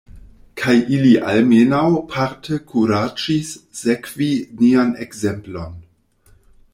Kaj ili almenaŭ parte kuraĝis sekvi nian ekzemplon.